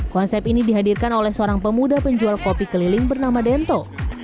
konsep ini dihadirkan oleh seorang pemuda penjual kopi keliling bernama dento